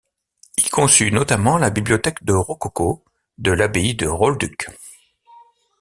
Il conçut notamment la bibliothèque de rococo de l'abbaye de Rolduc.